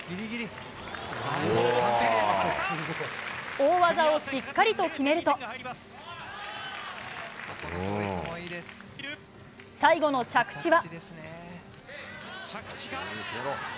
大技をしっかりと決めると最後の着地は。